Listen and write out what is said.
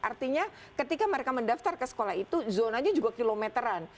artinya ketika mereka mendaftar ke sekolah itu zonanya juga kilometeran